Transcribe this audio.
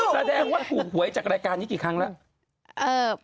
แสดงว่าถูกหวยจากรายการนี้กี่ครั้งแล้ว